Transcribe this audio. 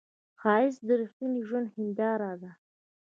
ښایست د رښتینې ژوندو هنداره ده